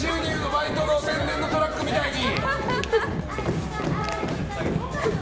バイトのトラックみたいに。